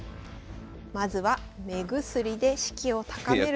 まずは目薬で士気を高めると。